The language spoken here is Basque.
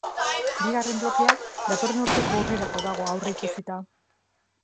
Bigarren blokea datorren urteko urrirako dago aurreikusita.